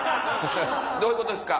どういうことですか？